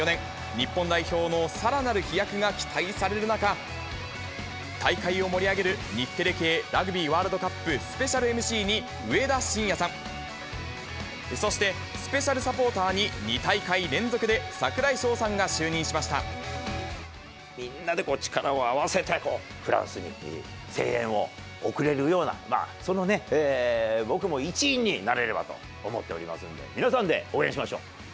日本代表のさらなる飛躍が期待される中、大会を盛り上げる日テレ系ラグビーワールドカップスペシャルＭＣに上田晋也さん、そして、スペシャルサポーターに２大会連続で櫻みんなで力を合わせて、フランスに声援を送れるような、そのね、僕も一員になれればと思っておりますので、皆さんで応援しましょう。